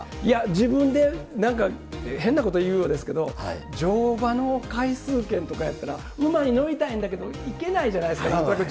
自分でなんか変なこと言うようですけど、乗馬の回数券とかやったら、馬に乗りたいんだけれども、行けないじゃないですか、なかな